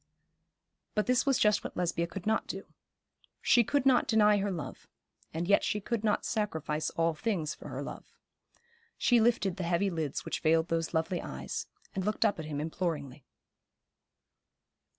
But this was just what Lesbia could not do. She could not deny her love; and yet she could not sacrifice all things for her love. She lifted the heavy lids which veiled those lovely eyes, and looked up at him imploringly.